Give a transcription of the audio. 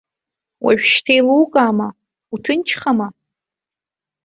Уажәшьҭа еилукаама, уҭынчхама?!